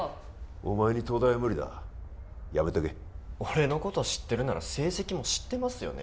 お前に東大は無理だやめとけ俺のこと知ってるなら成績も知ってますよね？